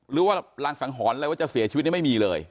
หรือว่ารางสังหรณ์อะไรว่าจะเสียชีวิตนี่ไม่มีเลย